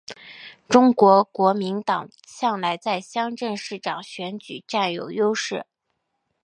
中国国民党向来在乡镇市长选举占有优势。